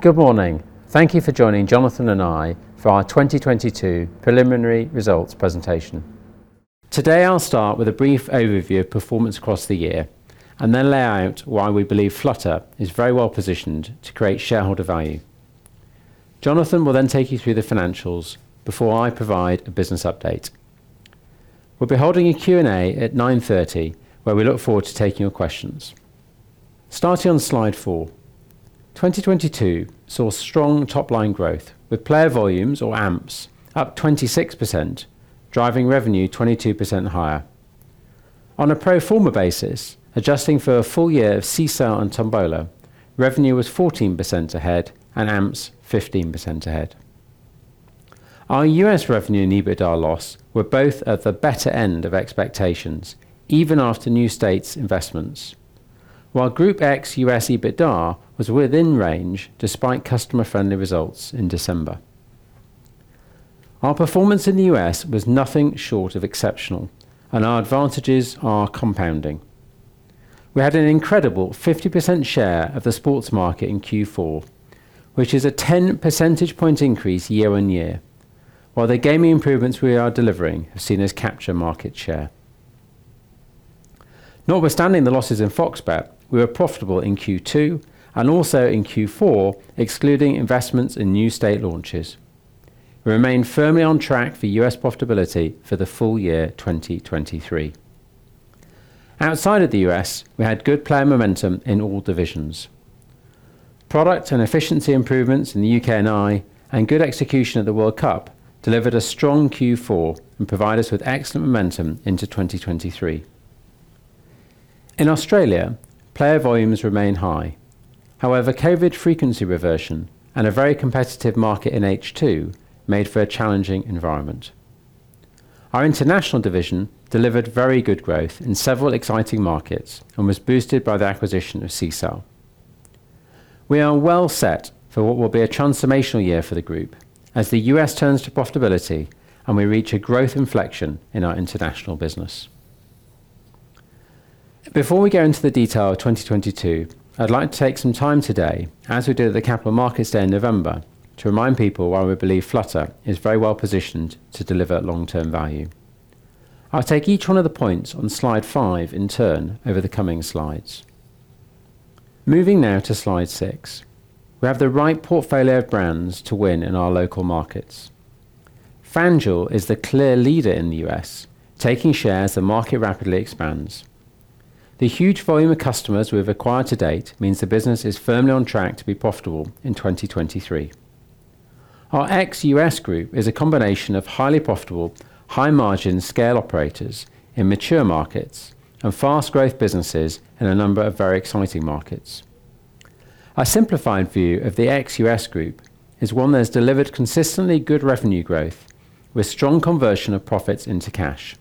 Good morning. Thank you for joining Jonathan and I for our 2022 preliminary results presentation. Today I'll start with a brief overview of performance across the year, and then lay out why we believe Flutter is very well-positioned to create shareholder value. Jonathan will take you through the financials before I provide a business update. We'll be holding a Q&A at 9:30 A.M., where we look forward to taking your questions. Starting on slide four. 2022 saw strong top-line growth, with player volumes or AMPs up 26%, driving revenue 22% higher. On a pro forma basis, adjusting for a full year of Sisal and Tombola, revenue was 14% ahead and AMPs 15% ahead. Our U.S. revenue and EBITDA loss were both at the better end of expectations even after new states' investments. Group Ex-U.S. EBITDA was within range despite customer-friendly results in December. Our performance in the U.S. was nothing short of exceptional, and our advantages are compounding. We had an incredible 50% share of the sports market in Q4, which is a 10 percentage point increase year-on-year, while the gaming improvements we are delivering have seen us capture market share. Notwithstanding the losses in FOX Bet, we were profitable in Q2 and also in Q4, excluding investments in new state launches. We remain firmly on track for U.S. profitability for the full year 2023. Outside of the U.S., we had good player momentum in all divisions. Product and efficiency improvements in the U.K.&I. and good execution of the World Cup delivered a strong Q4 and provide us with excellent momentum into 2023. In Australia, player volumes remain high. COVID frequency reversion and a very competitive market in H2 made for a challenging environment. Our international division delivered very good growth in several exciting markets and was boosted by the acquisition of Sisal. We are well set for what will be a transformational year for the group as the US turns to profitability and we reach a growth inflection in our international business. Before we go into the detail of 2022, I'd like to take some time today, as we did at the Capital Markets Day in November, to remind people why we believe Flutter is very well-positioned to deliver long-term value. I'll take each one of the points on slide five in turn over the coming slides. Moving now to slide six. We have the right portfolio of brands to win in our local markets. FanDuel is the clear leader in the U.S., taking shares as the market rapidly expands. The huge volume of customers we've acquired to date means the business is firmly on track to be profitable in 2023. Our Group Ex-U.S. is a combination of highly profitable, high-margin scale operators in mature markets and fast growth businesses in a number of very exciting markets. A simplified view of the Group Ex-U.S. is one that has delivered consistently good revenue growth with strong conversion of profits into cash.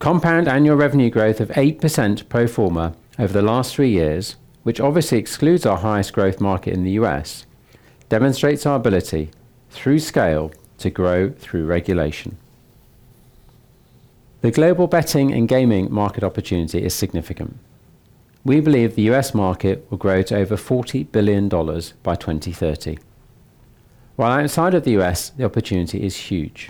Compound annual revenue growth of 8% pro forma over the last three years, which obviously excludes our highest growth market in the U.S., demonstrates our ability, through scale, to grow through regulation. The global betting and gaming market opportunity is significant. We believe the U.S. market will grow to over $40 billion by 2030. While outside of the U.S., the opportunity is huge.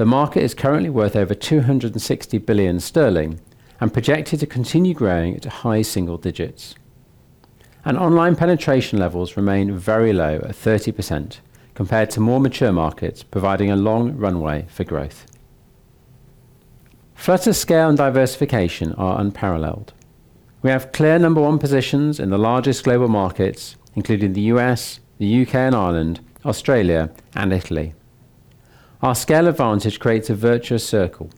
The market is currently worth over 260 billion sterling and projected to continue growing at high single digits. Online penetration levels remain very low at 30% compared to more mature markets, providing a long runway for growth. Flutter's scale and diversification are unparalleled. We have clear number one positions in the largest global markets, including the U.S., the U.K. and Ireland, Australia, and Italy. Our scale advantage creates a virtuous circle,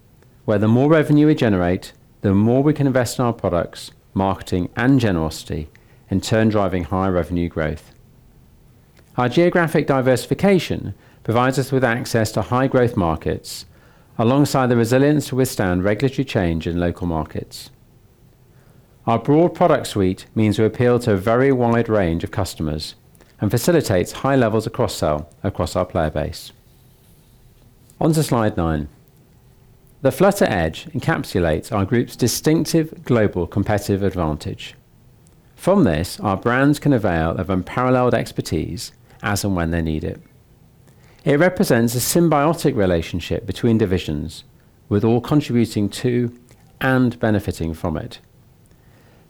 where the more revenue we generate, the more we can invest in our products, marketing, and generosity, in turn driving higher revenue growth. Our geographic diversification provides us with access to high-growth markets alongside the resilience to withstand regulatory change in local markets. Our broad product suite means we appeal to a very wide range of customers and facilitates high levels of cross-sell across our player base. On to slide nine. The Flutter Edge encapsulates our group's distinctive global competitive advantage. From this, our brands can avail of unparalleled expertise as and when they need it. It represents a symbiotic relationship between divisions, with all contributing to and benefiting from it.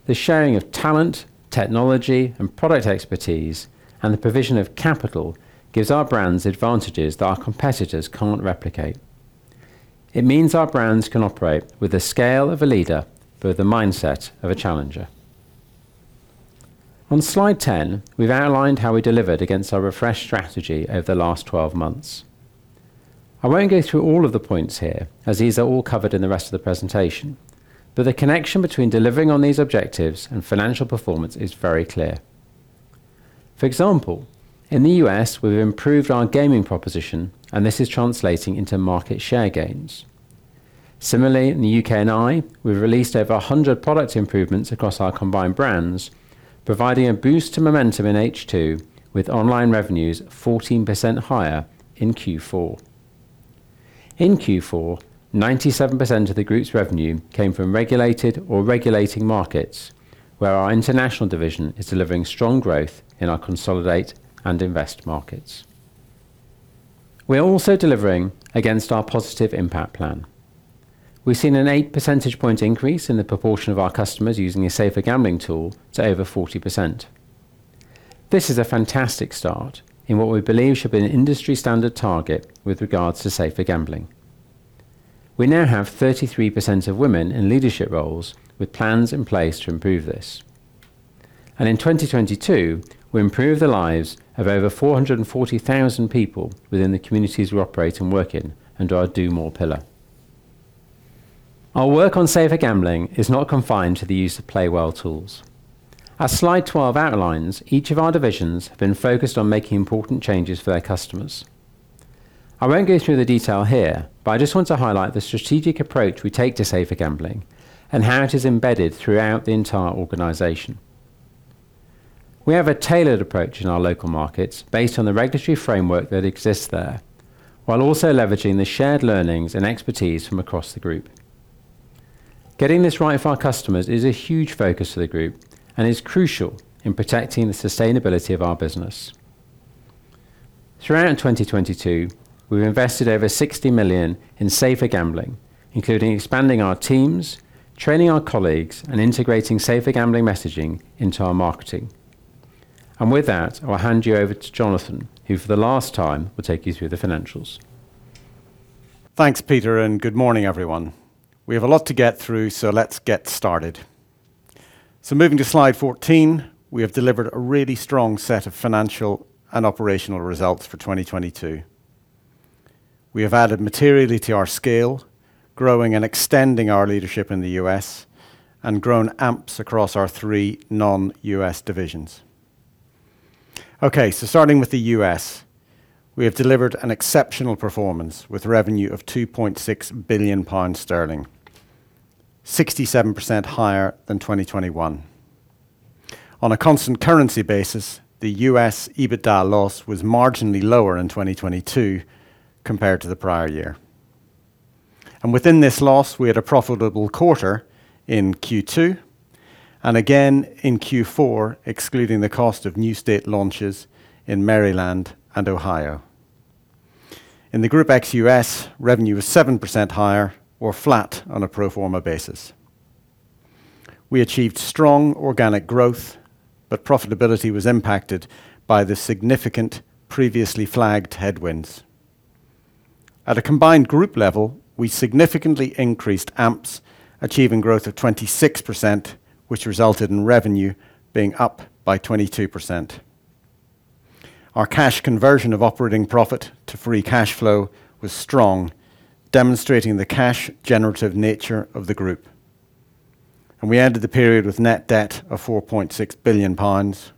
The sharing of talent, technology, and product expertise, and the provision of capital gives our brands advantages that our competitors can't replicate. It means our brands can operate with the scale of a leader, but with the mindset of a challenger. On slide 10, we've outlined how we delivered against our refreshed strategy over the last 12 months. I won't go through all of the points here, as these are all covered in the rest of the presentation. The connection between delivering on these objectives and financial performance is very clear. For example, in the U.S., we've improved our gaming proposition and this is translating into market share gains. Similarly, in the U.K.&I., we've released over 100 product improvements across our combined brands, providing a boost to momentum in H2 with online revenues 14% higher in Q4. In Q4, 97% of the group's revenue came from regulated or regulating markets, where our international division is delivering strong growth in our Consolidate and Invest markets. We are also delivering against our Positive Impact Plan. We've seen an 8 percentage point increase in the proportion of our customers using a safer gambling tool to over 40%. This is a fantastic start in what we believe should be an industry-standard target with regards to safer gambling. We now have 33% of women in leadership roles with plans in place to improve this. In 2022, we improved the lives of over 440,000 people within the communities we operate and work in under our Do More pillar. Our work on safer gambling is not confined to the use of Play Well tools. As slide 12 outlines, each of our divisions have been focused on making important changes for their customers. I won't go through the detail here, but I just want to highlight the strategic approach we take to safer gambling and how it is embedded throughout the entire organization. We have a tailored approach in our local markets based on the regulatory framework that exists there, while also leveraging the shared learnings and expertise from across the group. Getting this right for our customers is a huge focus of the group and is crucial in protecting the sustainability of our business. Throughout 2022, we've invested over 60 million in safer gambling, including expanding our teams, training our colleagues, and integrating safer gambling messaging into our marketing. With that, I'll hand you over to Jonathan, who for the last time, will take you through the financials. Thanks, Peter. Good morning, everyone. We have a lot to get through, so let's get started. Moving to slide 14, we have delivered a really strong set of financial and operational results for 2022. We have added materially to our scale, growing and extending our leadership in the US and grown AMPs across our three non-US divisions. Starting with the US, we have delivered an exceptional performance with revenue of 2.6 billion pounds, 67% higher than 2021. On a constant currency basis, the US EBITDA loss was marginally lower in 2022 compared to the prior year. Within this loss, we had a profitable quarter in Q2 and again in Q4, excluding the cost of new state launches in Maryland and Ohio. In the Group Ex-US, revenue was 7% higher or flat on a pro forma basis. We achieved strong organic growth, profitability was impacted by the significant previously flagged headwinds. At a combined group level, we significantly increased AMPs, achieving growth of 26%, which resulted in revenue being up by 22%. Our cash conversion of operating profit to free cash flow was strong, demonstrating the cash-generative nature of the group. We ended the period with net debt of 4.6 billion pounds.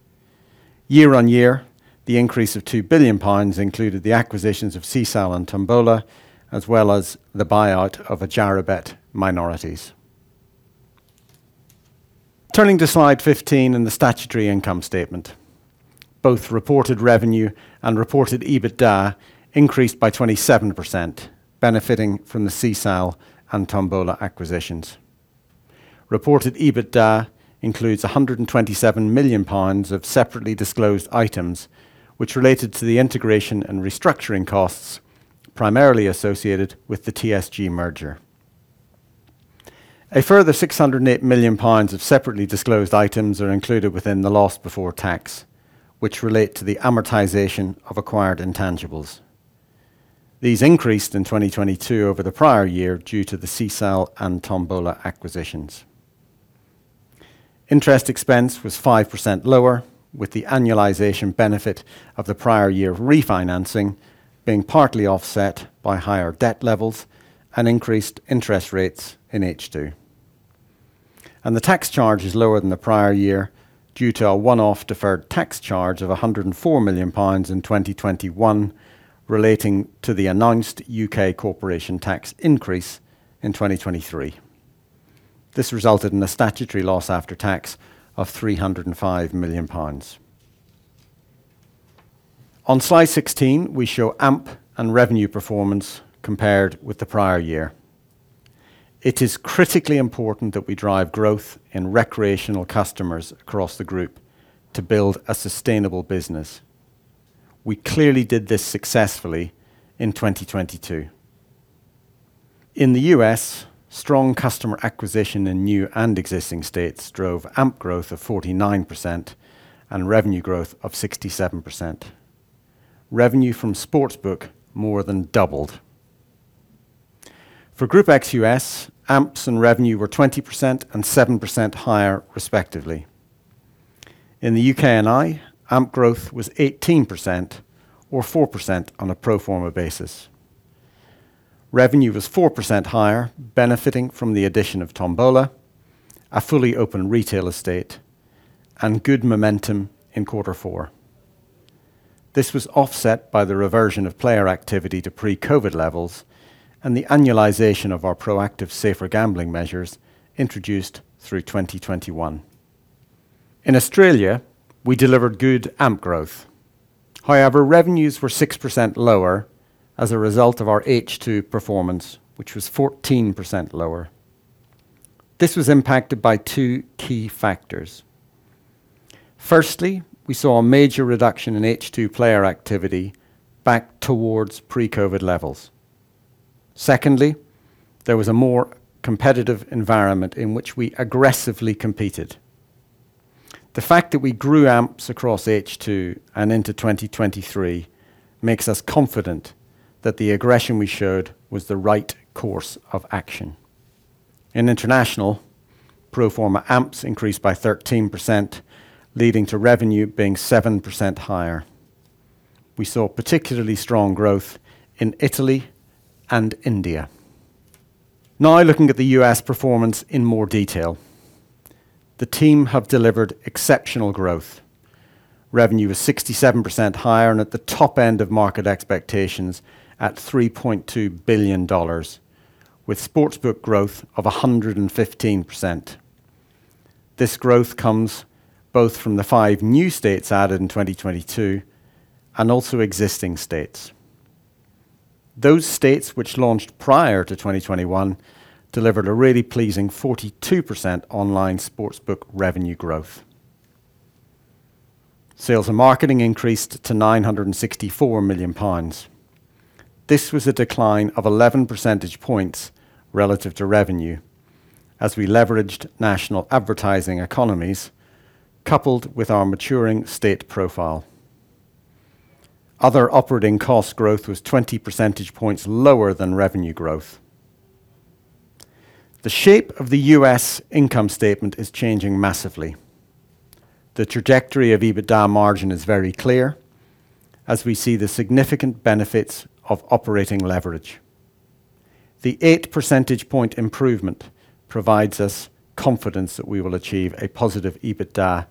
Year-on-year, the increase of 2 billion pounds included the acquisitions of Sisal and Tombola, as well as the buyout of Adjarabet minorities. Turning to slide 15 and the statutory income statement. Both reported revenue and reported EBITDA increased by 27%, benefiting from the Sisal and Tombola acquisitions. Reported EBITDA includes 127 million pounds of separately disclosed items which related to the integration and restructuring costs primarily associated with the TSG merger. A further 608 million pounds of separately disclosed items are included within the loss before tax, which relate to the amortization of acquired intangibles. These increased in 2022 over the prior year due to the Sisal and Tombola acquisitions. Interest expense was 5% lower, with the annualization benefit of the prior year refinancing being partly offset by higher debt levels and increased interest rates in H2. The tax charge is lower than the prior year due to a one-off deferred tax charge of 104 million pounds in 2021 relating to the announced UK corporation tax increase in 2023. This resulted in a statutory loss after tax of 305 million pounds. On slide 16, we show AMP and revenue performance compared with the prior year. It is critically important that we drive growth in recreational customers across the group to build a sustainable business. We clearly did this successfully in 2022. In the U.S., strong customer acquisition in new and existing states drove AMP growth of 49% and revenue growth of 67%. Revenue from Sportsbook more than doubled. For Group Ex-US, AMPs and revenue were 20% and 7% higher, respectively. In the U.K. and I, AMP growth was 18% or 4% on a pro forma basis. Revenue was 4% higher, benefiting from the addition of Tombola, a fully open retail estate, and good momentum in quarter four. This was offset by the reversion of player activity to pre-COVID levels and the annualization of our proactive safer gambling measures introduced through 2021. In Australia, we delivered good AMPs growth. Revenues were 6% lower as a result of our H2 performance, which was 14% lower. This was impacted by two key factors. Firstly, we saw a major reduction in H2 player activity back towards pre-COVID levels. Secondly, there was a more competitive environment in which we aggressively competed. The fact that we grew AMPs across H2 and into 2023 makes us confident that the aggression we showed was the right course of action. In international, pro forma AMPs increased by 13%, leading to revenue being 7% higher. We saw particularly strong growth in Italy and India. Looking at the U.S. performance in more detail. The team have delivered exceptional growth. Revenue is 67% higher and at the top end of market expectations at $3.2 billion, with sportsbook growth of 115%. This growth comes both from the five new states added in 2022 and also existing states. Those states which launched prior to 2021 delivered a really pleasing 42% online sportsbook revenue growth. Sales and marketing increased to 964 million pounds. This was a decline of 11 percentage points relative to revenue as we leveraged national advertising economies coupled with our maturing state profile. Other operating cost growth was 20 percentage points lower than revenue growth. The shape of the U.S. income statement is changing massively. The trajectory of EBITDA margin is very clear as we see the significant benefits of operating leverage. The 8 percentage point improvement provides us confidence that we will achieve a positive EBITDA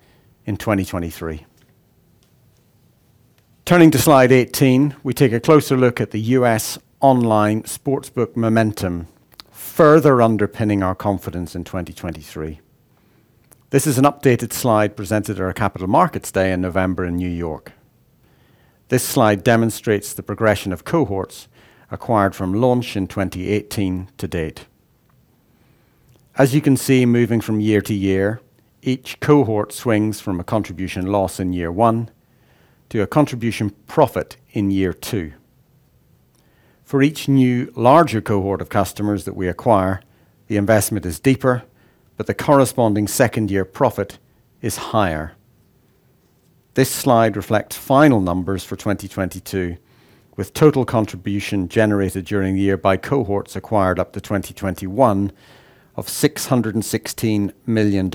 in 2023. Turning to slide 18, we take a closer look at the US online sportsbook momentum, further underpinning our confidence in 2023. This is an updated slide presented at our Capital Markets Day in November in New York. This slide demonstrates the progression of cohorts acquired from launch in 2018 to date. As you can see, moving from year to year, each cohort swings from a contribution loss in year one to a contribution profit in year two. For each new larger cohort of customers that we acquire, the investment is deeper, the corresponding second-year profit is higher. This slide reflects final numbers for 2022, with total contribution generated during the year by cohorts acquired up to 2021 of $616 million.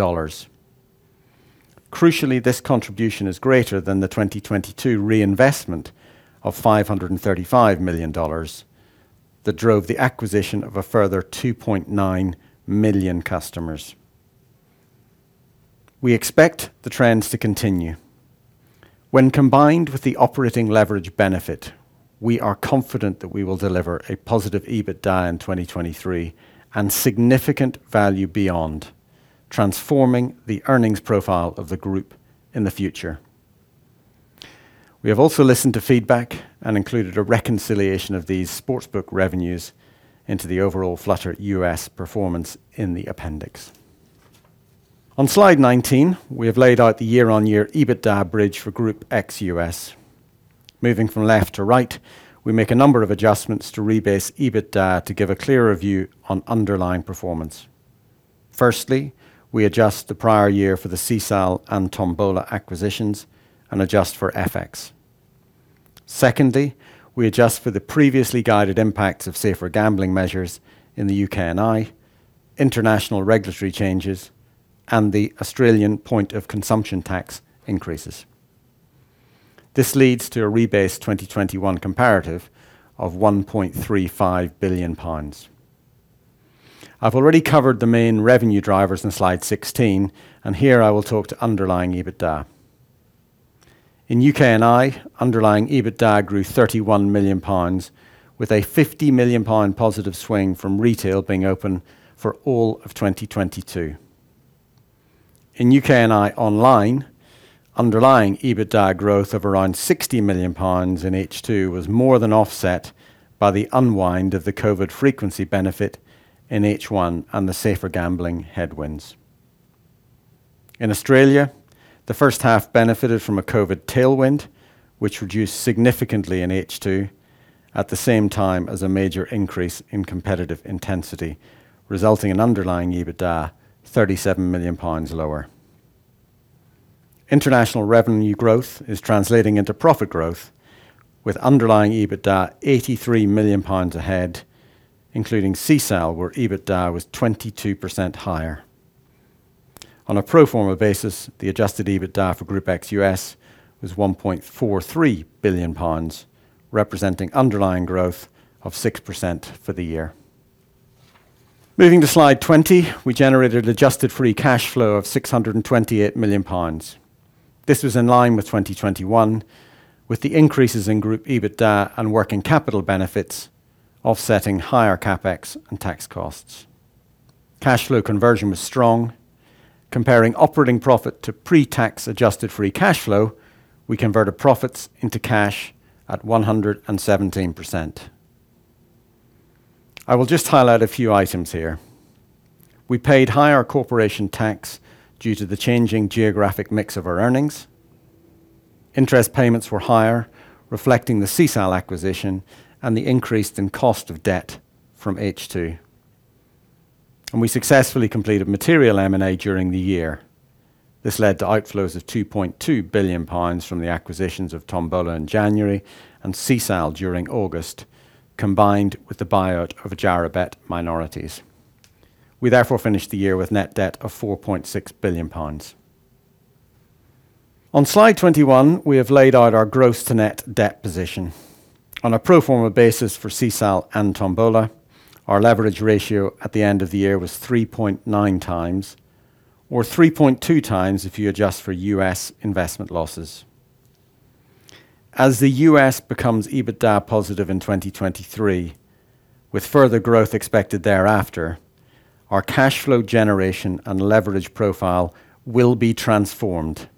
Crucially, this contribution is greater than the 2022 reinvestment of $535 million that drove the acquisition of a further 2.9 million customers. We expect the trends to continue. When combined with the operating leverage benefit, we are confident that we will deliver a positive EBITDA in 2023 and significant value beyond transforming the earnings profile of the group in the future. We have also listened to feedback and included a reconciliation of these sportsbook revenues into the overall Flutter US performance in the appendix. On slide 19, we have laid out the year-on-year EBITDA bridge for Group Ex-US. Moving from left to right, we make a number of adjustments to rebase EBITDA to give a clearer view on underlying performance. Firstly, we adjust the prior year for the Sisal and Tombola acquisitions and adjust for FX. We adjust for the previously guided impacts of safer gambling measures in the U.K. and I, international regulatory changes, and the Australian point of consumption tax increases. This leads to a rebased 2021 comparative of 1.35 billion pounds. I've already covered the main revenue drivers in slide 16. Here I will talk to underlying EBITDA. In U.K. and I, underlying EBITDA grew 31 million pounds, with a 50 million pound positive swing from retail being open for all of 2022. In U.K. and I online, underlying EBITDA growth of around 60 million pounds in H2 was more than offset by the unwind of the COVID frequency benefit in H1 and the safer gambling headwinds. In Australia, the first half benefited from a COVID tailwind, which reduced significantly in H2 at the same time as a major increase in competitive intensity, resulting in underlying EBITDA 37 million pounds lower. International revenue growth is translating into profit growth with underlying EBITDA 83 million pounds ahead, including Sisal, where EBITDA was 22% higher. On a pro forma basis, the adjusted EBITDA for Group Ex-US was 1.43 billion pounds, representing underlying growth of 6% for the year. Moving to slide 20, we generated adjusted free cash flow of 628 million pounds. This was in line with 2021, with the increases in group EBITDA and working capital benefits offsetting higher CapEx and tax costs. Cash flow conversion was strong. Comparing operating profit to pre-tax adjusted free cash flow, we converted profits into cash at 117%. I will just highlight a few items here. We paid higher corporation tax due to the changing geographic mix of our earnings. Interest payments were higher, reflecting the Sisal acquisition and the increase in cost of debt from H2. We successfully completed material M&A during the year. This led to outflows of 2.2 billion pounds from the acquisitions of Tombola in January and Sisal during August, combined with the buyout of Adjarabet minorities. We finished the year with net debt of GBP 4.6 billion. On Slide 21, we have laid out our gross to net debt position. On a pro forma basis for Sisal and Tombola, our leverage ratio at the end of the year was 3.9x or 3.2x if you adjust for US investment losses. As the U.S. becomes EBITDA positive in 2023, with further growth expected thereafter, our cash flow generation and leverage profile will be transformed,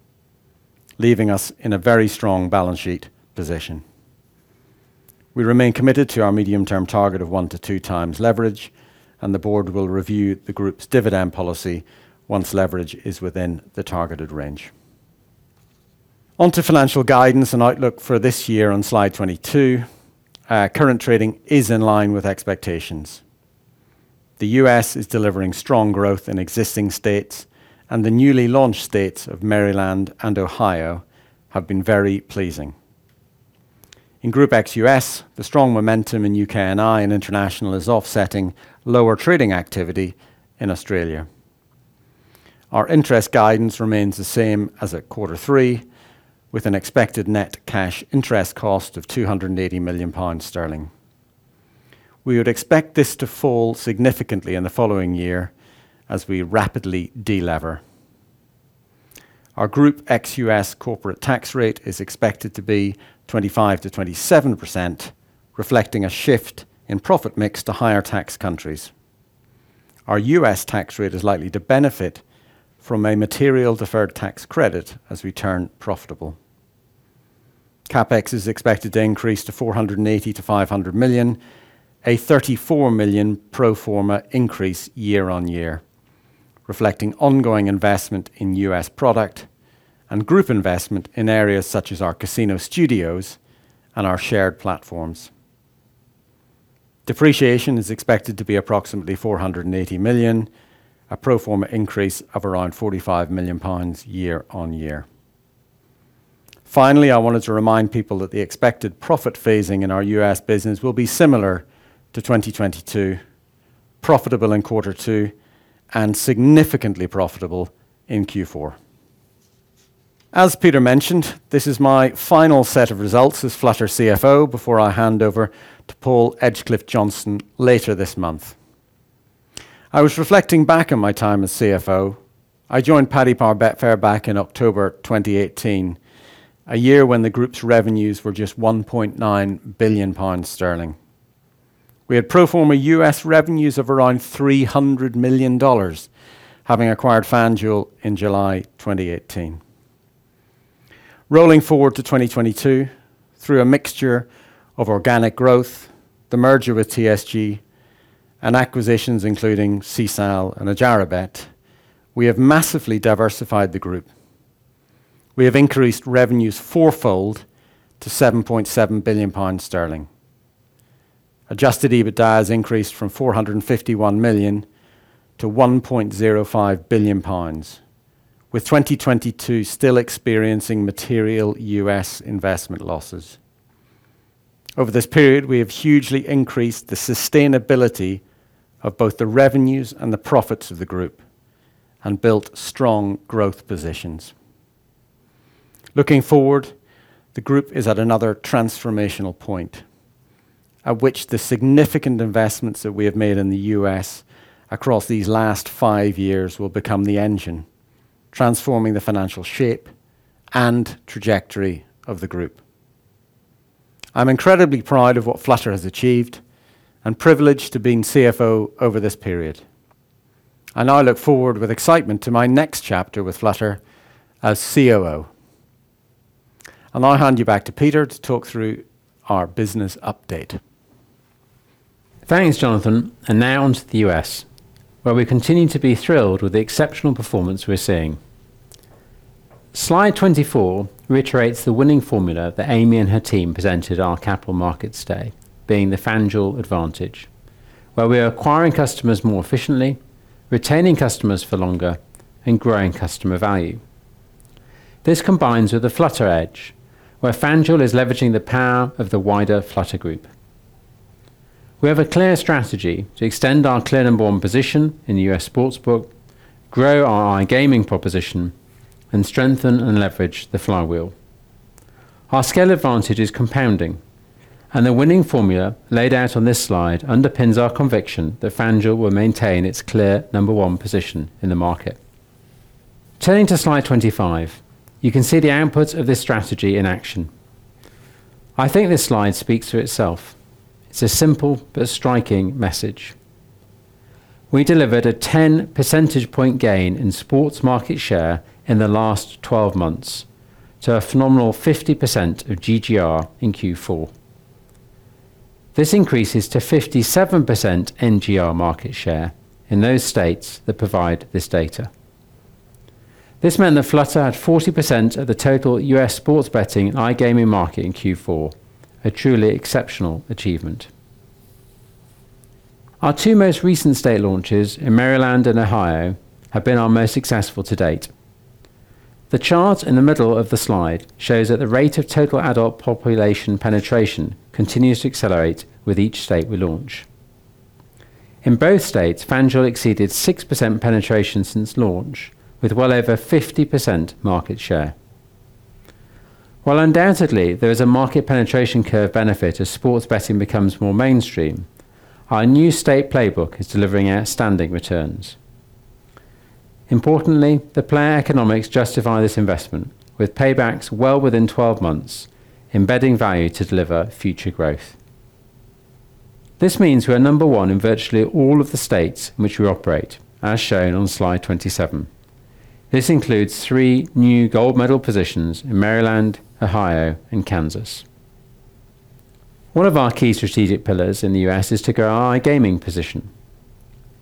leaving us in a very strong balance sheet position. We remain committed to our medium-term target of 1 times-2 times leverage. The board will review the group's dividend policy once leverage is within the targeted range. On to financial guidance and outlook for this year on slide 22. Our current trading is in line with expectations. The U.S. is delivering strong growth in existing states, and the newly launched states of Maryland and Ohio have been very pleasing. In Group Ex-US, the strong momentum in UK & I and International is offsetting lower trading activity in Australia. Our interest guidance remains the same as at quarter three, with an expected net cash interest cost of 280 million sterling. We would expect this to fall significantly in the following year as we rapidly delever. Our Group Ex-US corporate tax rate is expected to be 25%-27%, reflecting a shift in profit mix to higher tax countries. Our US tax rate is likely to benefit from a material deferred tax credit as we turn profitable. CapEx is expected to increase to 480 million-500 million, a 34 million pro forma increase year-on-year, reflecting ongoing investment in US product and group investment in areas such as our casino studios and our shared platforms. Depreciation is expected to be approximately 480 million, a pro forma increase of around 45 million pounds year-on-year. I wanted to remind people that the expected profit phasing in our U.S. business will be similar to 2022, profitable in quarter two and significantly profitable in Q4. As Peter mentioned, this is my final set of results as Flutter CFO before I hand over to Paul Edgecliffe-Johnson later this month. I was reflecting back on my time as CFO. I joined Paddy Power Betfair back in October 2018, a year when the group's revenues were just 1.9 billion pounds. We had pro forma U.S. revenues of around $300 million, having acquired FanDuel in July 2018. Rolling forward to 2022, through a mixture of organic growth, the merger with TSG, and acquisitions including Sisal and Adjarabet, we have massively diversified the group. We have increased revenues fourfold to 7.7 billion pounds. Adjusted EBITDA has increased from 451 million to 1.05 billion pounds, with 2022 still experiencing material US investment losses. Over this period, we have hugely increased the sustainability of both the revenues and the profits of the group and built strong growth positions. Looking forward, the group is at another transformational point at which the significant investments that we have made in the US across these last five years will become the engine, transforming the financial shape and trajectory of the group. I'm incredibly proud of what Flutter has achieved and privileged to have been CFO over this period, and I look forward with excitement to my next chapter with Flutter as COO. I'll hand you back to Peter to talk through our business update. Thanks, Jonathan. Now on to the U.S., where we continue to be thrilled with the exceptional performance we're seeing. Slide 24 reiterates the winning formula that Amy and her team presented our Capital Markets Day, being the FanDuel advantage, where we are acquiring customers more efficiently, retaining customers for longer, and growing customer value. This combines with the Flutter Edge, where FanDuel is leveraging the power of the wider Flutter group. We have a clear strategy to extend our clear and born position in the U.S. sportsbook, grow our iGaming proposition, and strengthen and leverage the flywheel. Our scale advantage is compounding and the winning formula laid out on this slide underpins our conviction that FanDuel will maintain its clear number one position in the market. Turning to slide 25, you can see the outputs of this strategy in action. I think this slide speaks for itself. It's a simple but striking message. We delivered a 10 percentage point gain in sports market share in the last 12 months to a phenomenal 50% of GGR in Q4. This increases to 57% NGR market share in those states that provide this data. This meant that Flutter had 40% of the total U.S. sports betting iGaming market in Q4, a truly exceptional achievement. Our two most recent state launches in Maryland and Ohio have been our most successful to date. The chart in the middle of the slide shows that the rate of total adult population penetration continues to accelerate with each state we launch. In both states, FanDuel exceeded 6% penetration since launch with well over 50% market share. While undoubtedly there is a market penetration curve benefit as sports betting becomes more mainstream, our new state playbook is delivering outstanding returns. Importantly, the player economics justify this investment with paybacks well within 12 months, embedding value to deliver future growth. This means we are number one in virtually all of the states in which we operate, as shown on slide 27. This includes three new gold medal positions in Maryland, Ohio, and Kansas. One of our key strategic pillars in the US is to grow our iGaming position.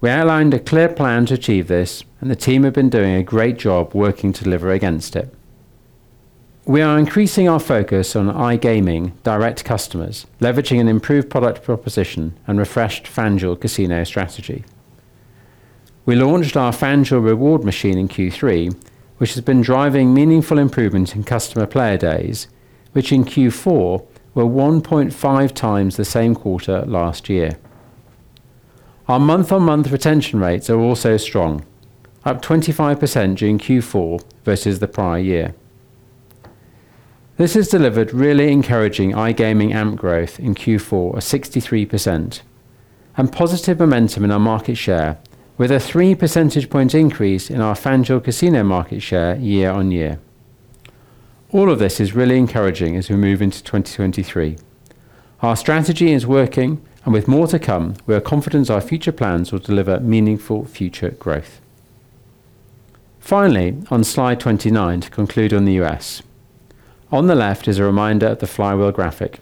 We outlined a clear plan to achieve this, and the team have been doing a great job working to deliver against it. We are increasing our focus on iGaming direct customers, leveraging an improved product proposition and refreshed FanDuel Casino strategy. We launched our FanDuel Casino Reward Machine in Q3, which has been driving meaningful improvements in customer player days, which in Q4 were 1.5x the same quarter last year. Our month-on-month retention rates are also strong, up 25% during Q4 versus the prior year. This has delivered really encouraging iGaming AMP growth in Q4 of 63% and positive momentum in our market share with a 3 percentage point increase in our FanDuel Casino market share year-on-year. All of this is really encouraging as we move into 2023. Our strategy is working, and with more to come, we are confident our future plans will deliver meaningful future growth. On slide 29 to conclude on the U.S. On the left is a reminder of the flywheel graphic.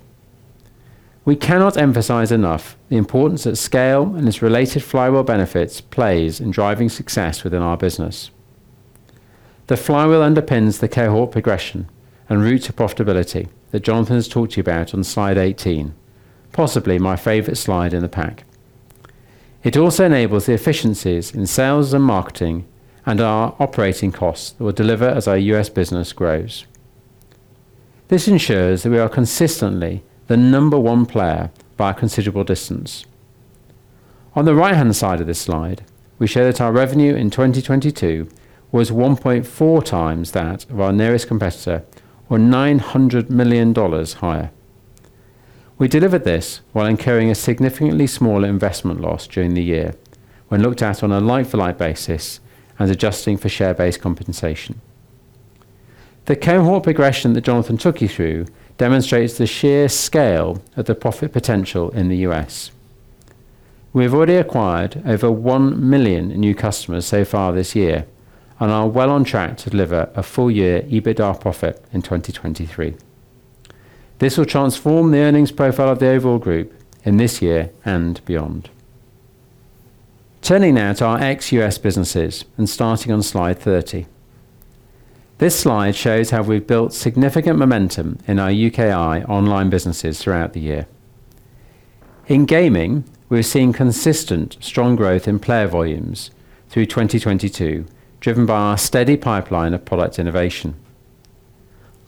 We cannot emphasize enough the importance that scale and its related flywheel benefits plays in driving success within our business. The flywheel underpins the cohort progression and route to profitability that Jonathan has talked to you about on slide 18, possibly my favorite slide in the pack. It also enables the efficiencies in sales and marketing and our operating costs that we'll deliver as our US business grows. This ensures that we are consistently the number one player by a considerable distance. On the right-hand side of this slide, we show that our revenue in 2022 was 1.4 times that of our nearest competitor or $900 million higher. We delivered this while incurring a significantly smaller investment loss during the year when looked at on a like-for-like basis and adjusting for share-based compensation. The cohort progression that Jonathan took you through demonstrates the sheer scale of the profit potential in the US. We have already acquired over 1 million new customers so far this year and are well on track to deliver a full-year EBITDA profit in 2023. This will transform the earnings profile of the overall group in this year and beyond. Turning now to our ex-US businesses and starting on slide 30. This slide shows how we've built significant momentum in our UKI online businesses throughout the year. In gaming, we're seeing consistent strong growth in player volumes through 2022, driven by our steady pipeline of product innovation.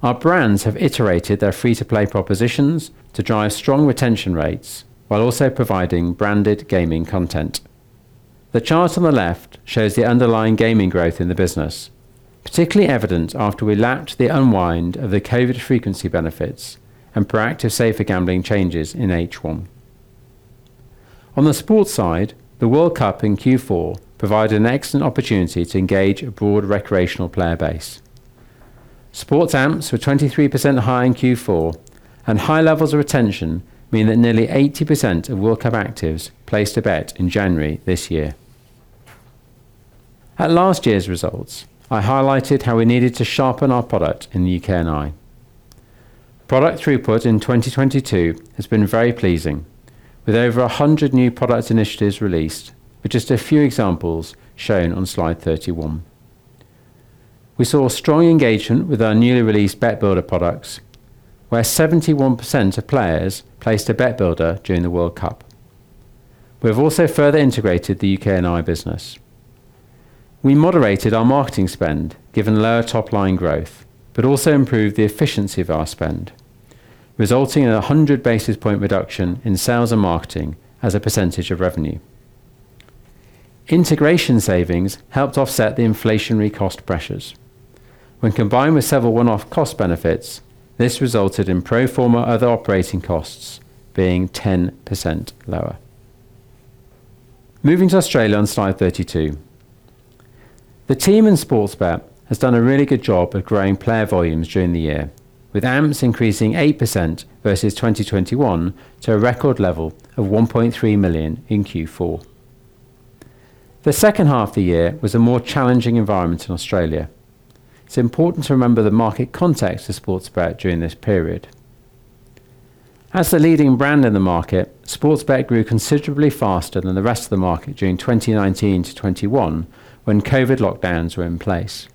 Our brands have iterated their free-to-play propositions to drive strong retention rates while also providing branded gaming content. The chart on the left shows the underlying gaming growth in the business, particularly evident after we lapped the unwind of the COVID frequency benefits and proactive safer gambling changes in H1. On the sports side, the World Cup in Q4 provided an excellent opportunity to engage a broad recreational player base. Sports AMPs were 23% higher in Q4, and high levels of retention mean that nearly 80% of World Cup actives placed a bet in January this year. At last year's results, I highlighted how we needed to sharpen our product in the UK and I. Product throughput in 2022 has been very pleasing, with over 100 new product initiatives released, with just a few examples shown on slide 31. We saw strong engagement with our newly released Bet Builder products, where 71% of players placed a Bet Builder during the World Cup. We have also further integrated the UK and I business. We moderated our marketing spend, given lower top-line growth, but also improved the efficiency of our spend, resulting in a 100 basis point reduction in sales and marketing as a % of revenue. Integration savings helped offset the inflationary cost pressures. When combined with several one-off cost benefits, this resulted in pro forma other operating costs being 10% lower. Moving to Australia on slide 32. The team in Sportsbet has done a really good job of growing player volumes during the year, with AMPs increasing 8% versus 2021 to a record level of 1.3 million in Q4. The second half of the year was a more challenging environment in Australia. It's important to remember the market context of Sportsbet during this period. As the leading brand in the market, Sportsbet grew considerably faster than the rest of the market during 2019-2021 when COVID lockdowns were in place.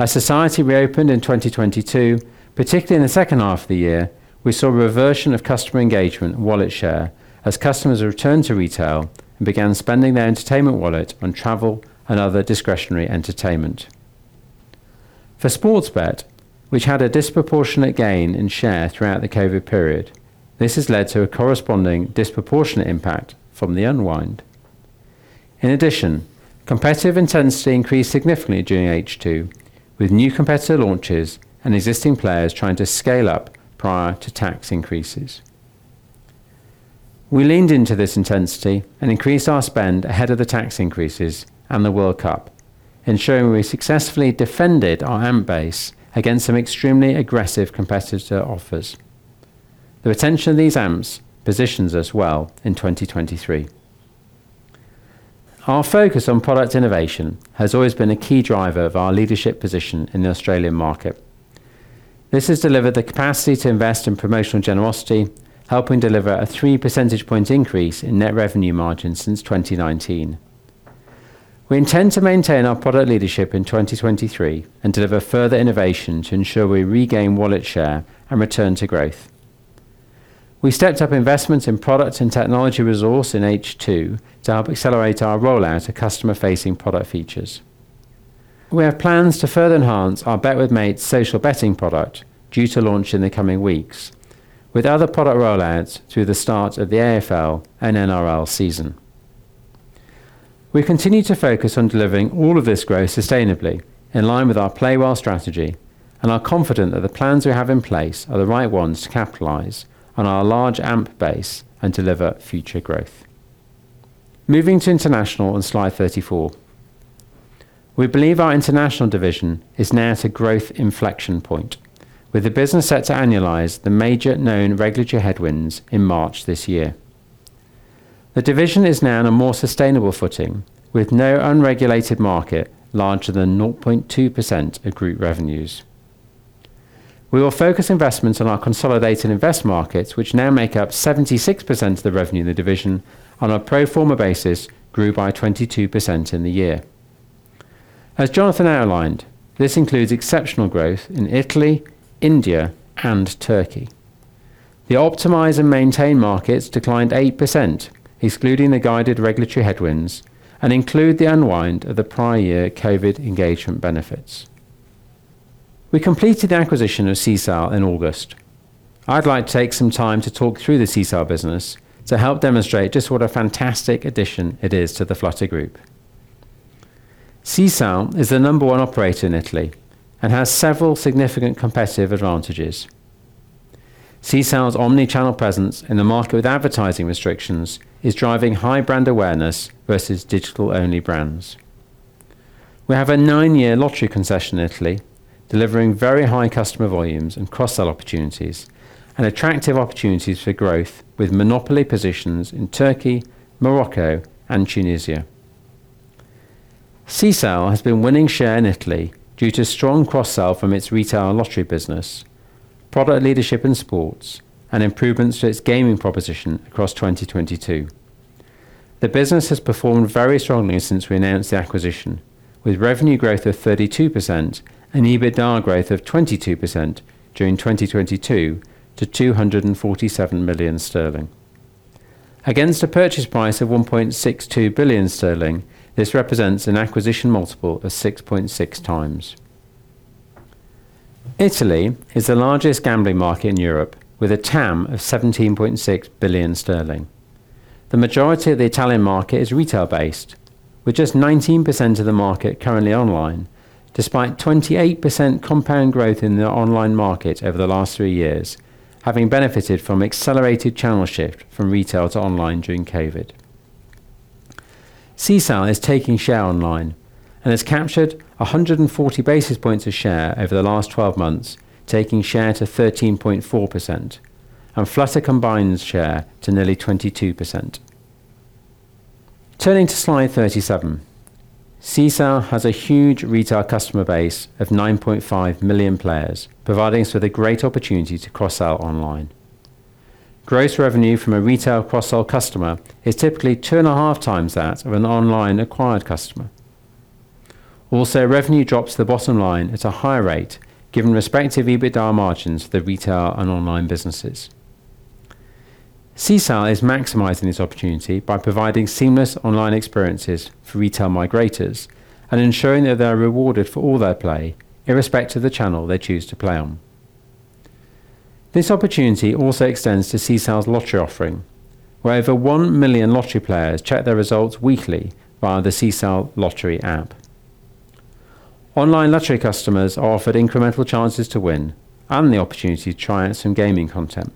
As society reopened in 2022, particularly in the second half of the year, we saw a reversion of customer engagement wallet share as customers returned to retail and began spending their entertainment wallet on travel and other discretionary entertainment. For Sportsbet, which had a disproportionate gain in share throughout the COVID period, this has led to a corresponding disproportionate impact from the unwind. In addition, competitive intensity increased significantly during H2, with new competitor launches and existing players trying to scale up prior to tax increases. We leaned into this intensity and increased our spend ahead of the tax increases and the World Cup, ensuring we successfully defended our AMP base against some extremely aggressive competitor offers. The retention of these AMPs positions us well in 2023. Our focus on product innovation has always been a key driver of our leadership position in the Australian market. This has delivered the capacity to invest in promotional generosity, helping deliver a 3 percentage point increase in net revenue margin since 2019. We intend to maintain our product leadership in 2023 and deliver further innovation to ensure we regain wallet share and return to growth. We stepped up investments in product and technology resource in H2 to help accelerate our rollout of customer-facing product features. We have plans to further enhance our Bet with Mates social betting product due to launch in the coming weeks, with other product rollouts through the start of the AFL and NRL season. We continue to focus on delivering all of this growth sustainably, in line with our Play Well strategy, and are confident that the plans we have in place are the right ones to capitalize on our large AMP base and deliver future growth. Moving to international on slide 34. We believe our international division is now at a growth inflection point, with the business set to annualize the major known regulatory headwinds in March this year. The division is now on a more sustainable footing, with no unregulated market larger than 0.2% of group revenues. We will focus investments on our consolidated invest markets, which now make up 76% of the revenue in the division on a pro forma basis grew by 22% in the year. As Jonathan outlined, this includes exceptional growth in Italy, India and Turkey. The Optimise and Maintain markets declined 8%, excluding the guided regulatory headwinds, and include the unwind of the prior year COVID engagement benefits. We completed the acquisition of Sisal in August. I'd like to take some time to talk through the Sisal business to help demonstrate just what a fantastic addition it is to the Flutter Group. Sisal is the number one operator in Italy and has several significant competitive advantages. Sisal's omni-channel presence in a market with advertising restrictions is driving high brand awareness versus digital-only brands. We have a 9-year lottery concession in Italy, delivering very high customer volumes and cross-sell opportunities and attractive opportunities for growth with monopoly positions in Turkey, Morocco and Tunisia. Sisal has been winning share in Italy due to strong cross-sell from its retail and lottery business, product leadership in sports, and improvements to its gaming proposition across 2022. The business has performed very strongly since we announced the acquisition, with revenue growth of 32% and EBITDA growth of 22% during 2022 to 247 million sterling. Against a purchase price of 1.62 billion sterling, this represents an acquisition multiple of 6.6x. Italy is the largest gambling market in Europe, with a TAM of 17.6 billion sterling. The majority of the Italian market is retail-based, with just 19% of the market currently online, despite 28% compound growth in the online market over the last three years, having benefited from accelerated channel shift from retail to online during COVID. Sisal is taking share online and has captured 140 basis points of share over the last 12 months, taking share to 13.4% and Flutter combined share to nearly 22%. Turning to slide 37. Sisal has a huge retail customer base of 9.5 million players, providing us with a great opportunity to cross-sell online. Gross revenue from a retail cross-sell customer is typically two and a half times that of an online acquired customer. Revenue drops to the bottom line at a higher rate given respective EBITDA margins to the retail and online businesses. Sisal is maximizing this opportunity by providing seamless online experiences for retail migrators and ensuring that they are rewarded for all their play irrespective of the channel they choose to play on. This opportunity also extends to Sisal's lottery offering, where over 1 million lottery players check their results weekly via the Sisal lottery app. Online lottery customers are offered incremental chances to win and the opportunity to try out some gaming content.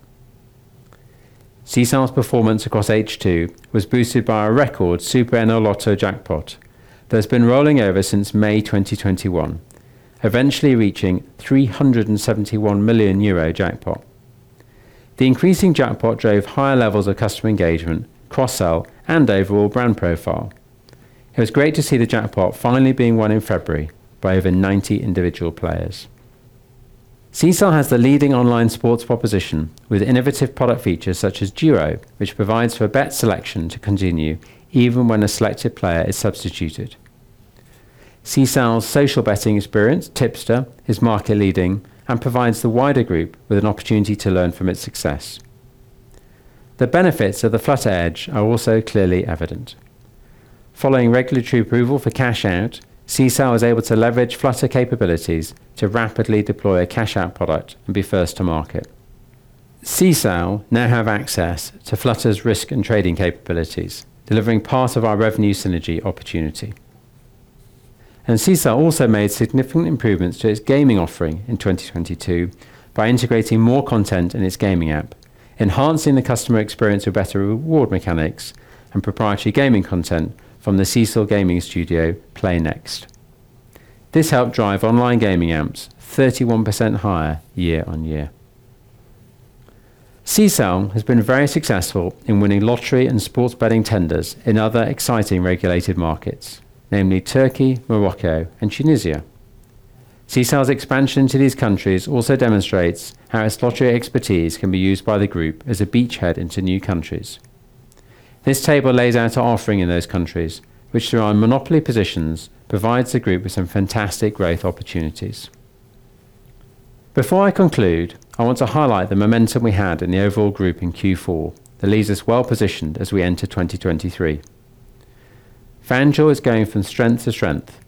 Sisal's performance across H2 was boosted by a record SuperEnalotto jackpot that has been rolling over since May 2021, eventually reaching 371 million euro jackpot. The increasing jackpot drove higher levels of customer engagement, cross-sell, and overall brand profile. It was great to see the jackpot finally being won in February by over 90 individual players. Sisal has the leading online sports proposition with innovative product features such as DUO, which provides for a bet selection to continue even when a selected player is substituted. Sisal's social betting experience, Tipster, is market-leading and provides the wider group with an opportunity to learn from its success. The benefits of the Flutter Edge are also clearly evident. Following regulatory approval for cash out, Sisal was able to leverage Flutter capabilities to rapidly deploy a cash-out product and be first to market. Sisal now have access to Flutter's risk and trading capabilities, delivering part of our revenue synergy opportunity. Sisal also made significant improvements to its gaming offering in 2022 by integrating more content in its gaming app, enhancing the customer experience with better reward mechanics and proprietary gaming content from the Sisal gaming studio, PlayNext. This helped drive online gaming AMPs 31% higher year-over-year. Sisal has been very successful in winning lottery and sports betting tenders in other exciting regulated markets, namely Turkey, Morocco, and Tunisia. Sisal's expansion into these countries also demonstrates how its lottery expertise can be used by the group as a beachhead into new countries. This table lays out our offering in those countries, which through our monopoly positions, provides the group with some fantastic growth opportunities. Before I conclude, I want to highlight the momentum we had in the overall group in Q4 that leaves us well-positioned as we enter 2023. FanDuel is going from strength to strength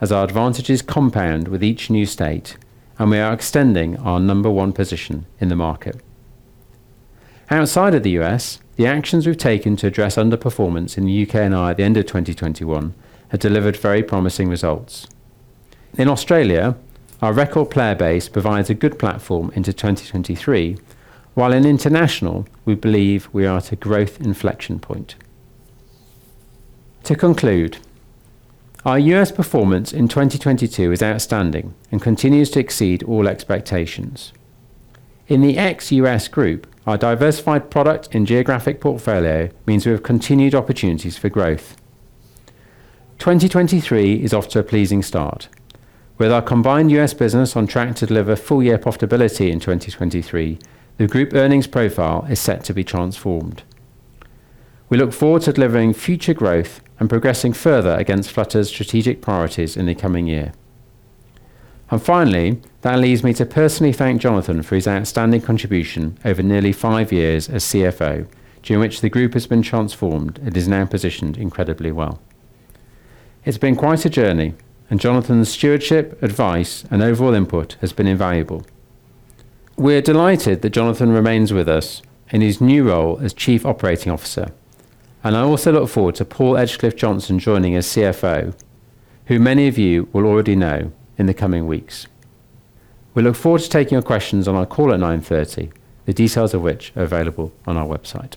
as our advantages compound with each new state, and we are extending our number one position in the market. Outside of the US, the actions we've taken to address underperformance in the UK and I at the end of 2021 have delivered very promising results. In Australia, our record player base provides a good platform into 2023, while in international, we believe we are at a growth inflection point. To conclude, our US performance in 2022 is outstanding and continues to exceed all expectations. In the Group Ex-US, our diversified product and geographic portfolio means we have continued opportunities for growth. 2023 is off to a pleasing start. With our combined US business on track to deliver full-year profitability in 2023, the group earnings profile is set to be transformed. We look forward to delivering future growth and progressing further against Flutter's strategic priorities in the coming year. Finally, that leads me to personally thank Jonathan for his outstanding contribution over nearly five years as CFO, during which the group has been transformed and is now positioned incredibly well. It's been quite a journey. Jonathan's stewardship, advice, and overall input has been invaluable. We're delighted that Jonathan remains with us in his new role as chief operating officer, and I also look forward to Paul Edgecliffe-Johnson joining as CFO, who many of you will already know in the coming weeks. We look forward to taking your questions on our call at 9:30 A.M., the details of which are available on our website.